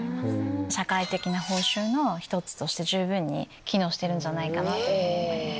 社会的な報酬の１つとして十分に機能してると思います。